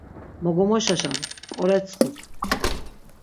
Mo gomoşaşap, p̆k̆oretsxup.